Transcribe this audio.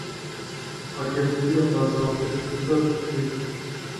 აგებულია ბაზალტებითა და ტუფებით.